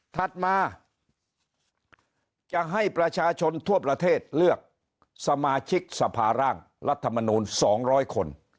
ถัดมาจะให้ประชาชนทั่วประเทศเลือกสมาชิกสภาร่างรัฐมนูล๒๐๐คน